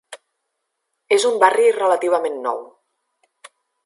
És un barri relativament nou.